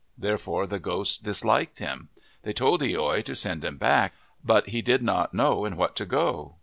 Therefore the ghosts disliked him. They told loi to send him back. But he did not know in what to go.